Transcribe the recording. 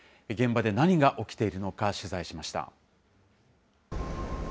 現場で何が起きているのか、取材しました。